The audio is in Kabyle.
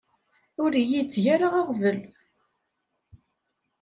Ur iyi-tteg ara aɣbel.